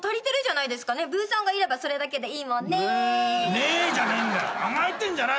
「ねぇ」じゃねえんだ。